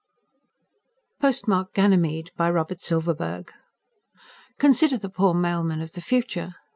net POSTMARK GANYMEDE By ROBERT SILVERBERG _Consider the poor mailman of the future.